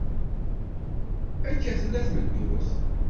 Akka i tella tmeddurt!